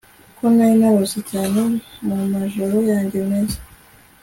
ko nari narose cyane mumajoro yanjye meza